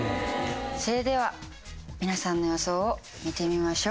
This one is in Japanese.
それでは皆さんの予想を見てみましょう。